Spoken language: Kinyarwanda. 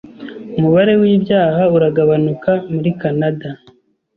Umubare w’ibyaha uragabanuka muri Kanada.